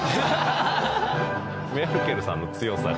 メルケルさんの強さが。